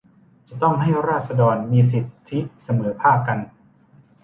จะต้องให้ราษฎรมีสิทธิเสมอภาคกัน